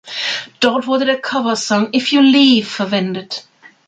Dort wurde der Coversong "If You Leave" verwendet.